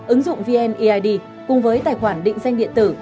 ứng dụng vneid cùng với tài khoản định danh điện tử